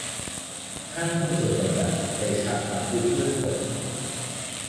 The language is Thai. ห้างหุ้นส่วนจำกัด เตชะกำพุพืชผล